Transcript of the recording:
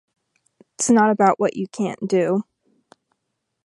It's not about what you can't do.